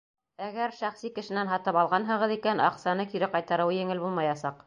Әгәр шәхси кешенән һатып алғанһығыҙ икән, аҡсаны кире ҡайтарыуы еңел булмаясаҡ.